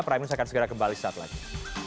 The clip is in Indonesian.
prime news akan segera kembali setelah ini